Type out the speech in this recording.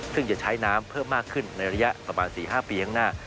ซึ่งจะใช้น้ำเพิ่มมากขึ้นในระยะประมาณ๔๕ปีข้างหน้า